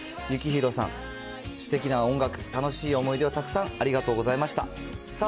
幸宏さん、すてきな音楽、楽しい思い出をたくさんありがとうございました。